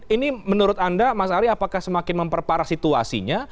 ini menurut anda mas ari apakah semakin memperparah situasinya